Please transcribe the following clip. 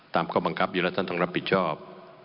ข้อบังคับอยู่แล้วท่านต้องรับผิดชอบ